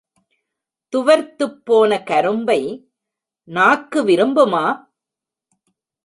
துவர்த்துப் போன கரும்பை நாக்கு விரும்புமா?